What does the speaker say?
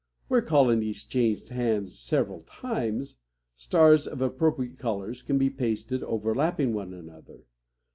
Where colonies changed hands several times, stars of appropriate colors can be pasted overlapping one another.